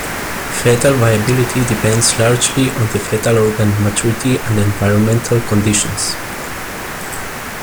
Fetal viability depends largely on the fetal organ maturity, and environmental conditions.